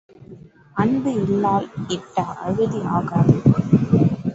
அன்பு இலாள் இட்ட அமுது ஆகாது.